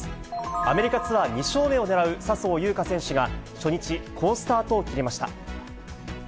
アメリカツアー２勝目を狙う笹生優花選手が、初日、好スタートを切りました。